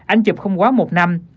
ánh chụp không quá một năm